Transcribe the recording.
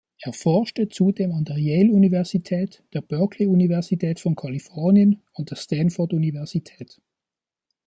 Er forschte zudem an der Yale-Universität, der Berkeley-Universität von Kalifornien und der Stanford-Universität.